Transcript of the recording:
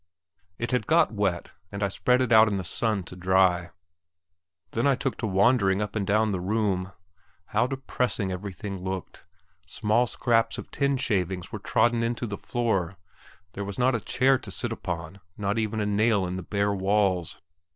It had got wet, and I spread it out in the sun to dry; then I took to wandering up and down the room. How depressing everything looked! Small scraps of tin shavings were trodden into the floor; there was not a chair to sit upon, not even a nail in the bare walls.